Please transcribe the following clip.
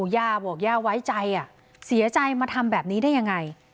ย่าบอกย่าไว้ใจเสียใจมาทำแบบนี้ได้ยังไง